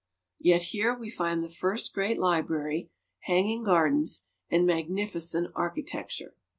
Yet here we find the first great library, hanging gardens, and magnificent architecture.